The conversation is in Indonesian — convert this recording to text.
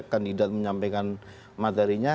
kandidat menyampaikan materinya